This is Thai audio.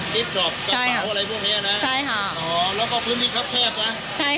คลิปชอปใช่ค่ะของอะไรพวกเนี้ยน่ะใช่ค่ะอ๋อแล้วก็พื้นที่ครับแชบน่ะ